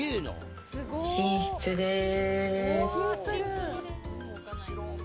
寝室です。